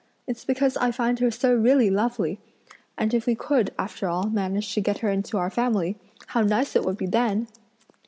It's because I find her so really lovely! and if we could, after all, manage to get her into our family, how nice it would be then!"